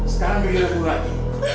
sekarang gilirku lagi